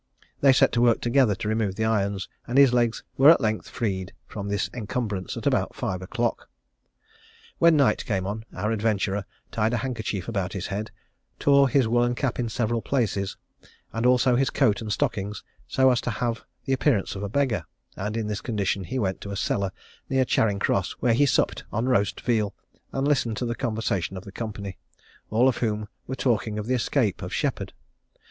They set to work together to remove the irons, and his legs were at length freed from this encumbrance at about five o'clock. When night came on, our adventurer tied a handkerchief about his head, tore his woollen cap in several places, and also his coat and stockings, so as to have the appearance of a beggar; and in this condition he went to a cellar near Charing Cross, where he supped on roast veal, and listened to the conversation of the company, all of whom were talking of the escape of Sheppard.